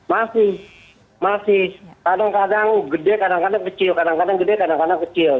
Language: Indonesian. masih masih kadang kadang gede kadang kadang kecil kadang kadang gede kadang kadang kecil